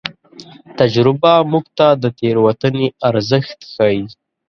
تجربه موږ ته د تېروتنې ارزښت ښيي.